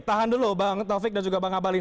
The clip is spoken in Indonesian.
tahan dulu bang taufik dan juga bang abalin